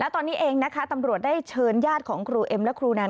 ตอนนี้เองนะคะตำรวจได้เชิญญาติของครูเอ็มและครูแนน